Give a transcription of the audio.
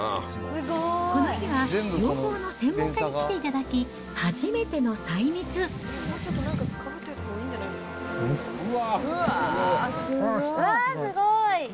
この日は養蜂の専門家に来ていただき、うわー、すごい！